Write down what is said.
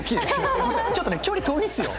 ちょっとね、距離遠いっすよ。